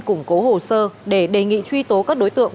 củng cố hồ sơ để đề nghị truy tố các đối tượng